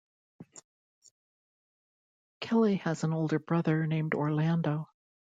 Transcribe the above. Kelly has an older brother named Orlando.